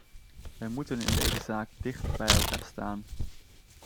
Wij moeten in deze zaak dicht bij elkaar staan.